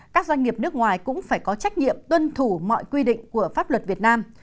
các doanh nghiệp nước ngoài cũng phải có trách nhiệm tuân thủ mọi quy định của pháp luật việt nam